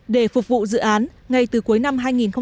để phục vụ dự án ngay từ cuối năm hai nghìn một mươi tám